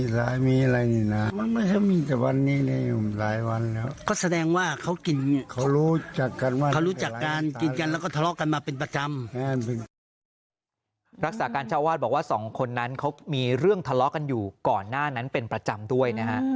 รักษาการเจ้าวาดบอกว่าสองคนนั้นเขามีเรื่องทะเลาะกันอยู่ก่อนหน้านั้นเป็นประจำด้วยนะฮะ